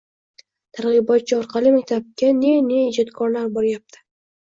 Targ‘ibotchi orqali maktabga ne-ne ijodkorlar boryapti.